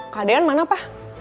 keadaan mana pak